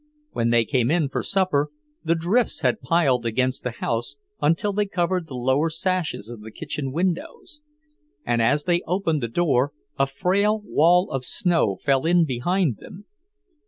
When they came in for supper, the drifts had piled against the house until they covered the lower sashes of the kitchen windows, and as they opened the door, a frail wall of snow fell in behind them.